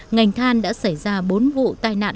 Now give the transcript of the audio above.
ngành than đã xảy ra bốn vụ tai nạn